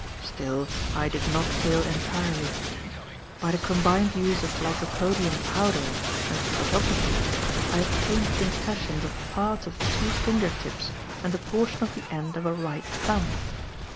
Still, I did not fail entirely. By the combined use of lycopodium powder and photography I obtained impressions of parts of two finger tips and a portion of the end of a right thumb.